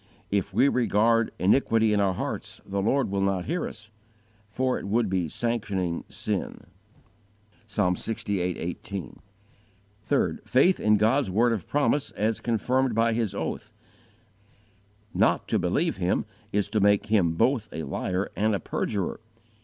If we regard iniquity in our hearts, the Lord will not hear us, for it would be sanctioning sin. (Psalm lxvi. 18.) 3. Faith in God's word of promise as confirmed by His oath. Not to believe Him is to make Him both a liar and a perjurer.